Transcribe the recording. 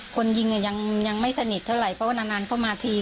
คนยิงเนี่ยยังไม่สนิทเท่าไรเพราะนานเข้ามาที